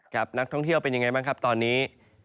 นักท่องเที่ยวเป็นยังไงบ้างครับตอนนี้